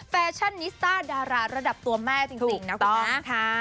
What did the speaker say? แฟชั่นนิสตาร์ดาราระดับตัวแม่สิ่งนะครับคุณคะ